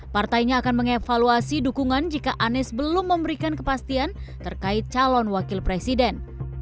partainya akan mengevaluasi dukungan jika anies belum memberikan kepastian terkait calon wakil presiden